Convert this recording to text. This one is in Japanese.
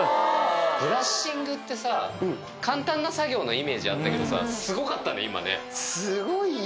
ブラッシングってさ、簡単な作業のイメージあったけどさ、すごかすごいよ。